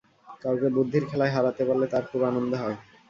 কাউকে বুদ্ধির খেলায় হারাতে পারলে তাঁর খুব আনন্দ হয়।